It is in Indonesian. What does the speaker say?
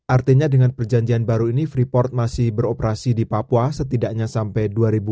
artinya dengan perjanjian baru ini freeport masih beroperasi di papua setidaknya sampai dua ribu dua puluh